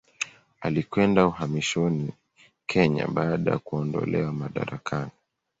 Alikwenda uhamishoni Kenya baada ya kuondolewa madarakani.